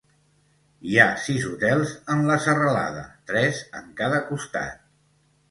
Hi ha sis hotels en la serralada, tres en cada costat.